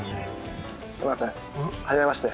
すみません初めまして。